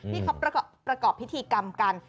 ที่เขาประกอบพิธีกรรมกัน